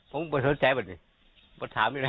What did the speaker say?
ผมไม่สนใจแบบนี้ไม่ถามยังไง